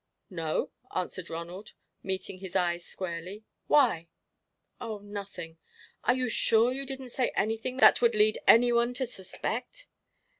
"No," answered Ronald, meeting his eyes squarely; "why?" "Oh nothing. Are you sure you didn't say anything that would lead any one to suspect?"